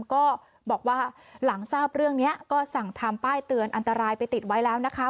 ก็บอกว่าหลังทราบเรื่องนี้ก็สั่งทำป้ายเตือนอันตรายไปติดไว้แล้วนะคะ